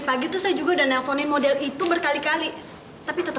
maafkan em manually ta